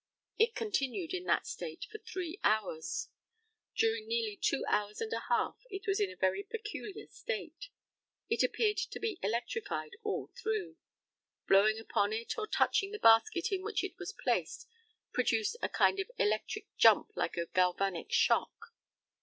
It continued in that state for three hours. During nearly two hours and a half it was in a very peculiar state; it appeared to be electrified all through; blowing upon it or touching the basket in which it was placed produced a kind of electric jump like a galvanic shock.